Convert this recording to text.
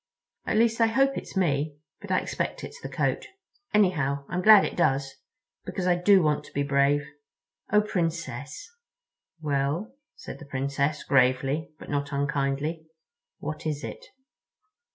"At least I hope it's me—but I expect it's the coat. Anyhow, I'm glad it does. Because I do want to be brave. Oh, Princess!" "Well?" said the Princess, gravely, but not unkindly, "what is it?"